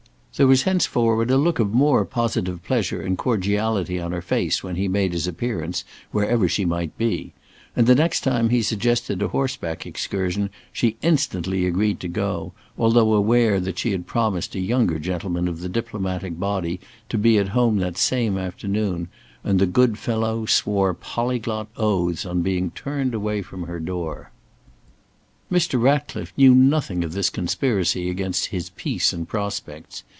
There was henceforward a look of more positive pleasure and cordiality on her face when he made his appearance wherever she might be; and the next time he suggested a horseback excursion she instantly agreed to go, although aware that she had promised a younger gentleman of the diplomatic body to be at home that same afternoon, and the good fellow swore polyglot oaths on being turned away from her door. Mr. Ratcliffe knew nothing of this conspiracy against his peace and prospects.